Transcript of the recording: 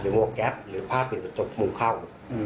หรือหมวกแก๊บหรือผ้าเปลี่ยนจบหมู่เข้า